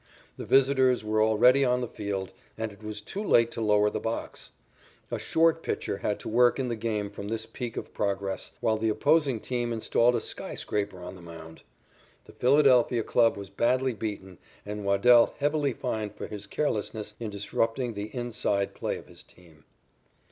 The visitors were already on the field, and it was too late to lower the box. A short pitcher had to work in the game from this peak of progress, while the opposing team installed a skyscraper on the mound. The Philadelphia club was badly beaten and Waddell heavily fined for his carelessness in disrupting the "inside" play of his team.